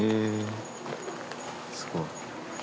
すごい。